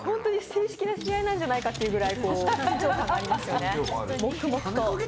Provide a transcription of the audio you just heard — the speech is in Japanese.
正式な試合なんじゃないかというぐらい緊張感ありますね。